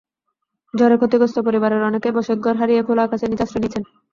ঝড়ে ক্ষতিগ্রস্ত পরিবারের অনেকেই বসতঘর হারিয়ে খোলা আকাশের নিচে আশ্রয় নিয়েছেন।